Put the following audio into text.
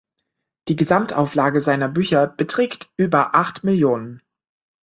Die Gesamtauflage seiner Bücher beträgt über acht Millionen.